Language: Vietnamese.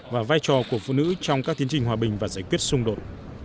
và vai trò của phụ nữ trong các tiến trình hòa bình và giải quyết xung đột